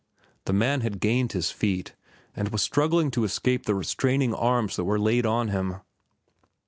The man had gained his feet and was struggling to escape the restraining arms that were laid on him.